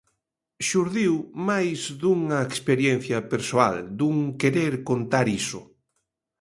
Xurdiu máis dunha experiencia persoal, dun querer contar iso.